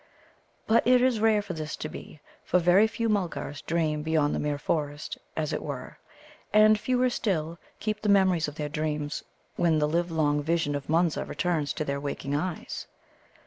But it is rare for this to be, for very few Mulgars dream beyond the mere forest, as it were; and fewer still keep the memories of their dreams when the livelong vision of Munza returns to their waking eyes.